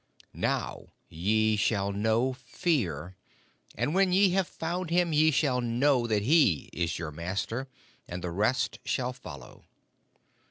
Now ye shall know Fear, and when ye have found him ye shall know that he is your master, and the rest shall follow.'